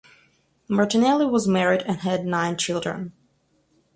Martinelli was married and had nine children.